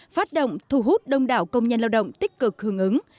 phát động thu hút đông đảo công nhân lao động tích cực hưởng ứng